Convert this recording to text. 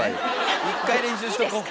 １回練習しとこう。